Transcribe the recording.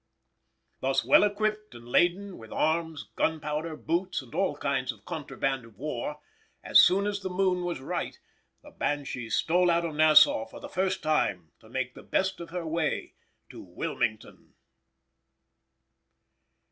Thus well equipped and laden with arms, gunpowder, boots, and all kinds of contraband of war, as soon as the moon was right, the Banshee stole out of Nassau for the first time to make the best of her way to Wilmington.